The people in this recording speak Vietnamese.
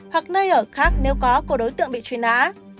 hoặc nơi ở khác nếu có của đối tượng bị trùy ná